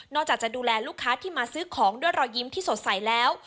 จากจะดูแลลูกค้าที่มาซื้อของด้วยรอยยิ้มที่สดใสแล้ว